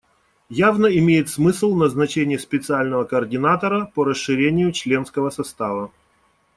Явно имеет смысл назначение специального координатора по расширению членского состава.